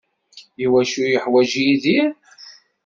I wacu iyi-yuḥwaǧ Yidir?